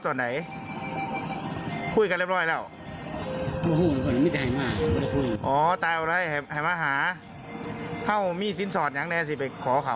มีแต่ความฮักเนอะ